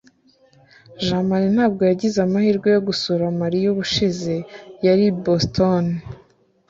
jamali ntabwo yagize amahirwe yo gusura mariya ubushize yari i boston